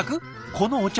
このお茶